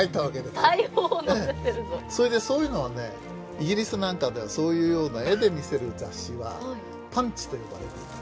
それでそういうのはねイギリスなんかではそういうような絵で見せる雑誌は「パンチ」と呼ばれていた。